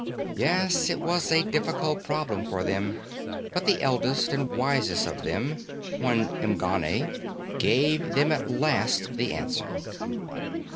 Yes, it was a difficult problem for them, but the eldest and wisest of them, one M'Ganne, gave them at last the answer.